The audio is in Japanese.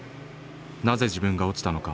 「なぜ自分が落ちたのか」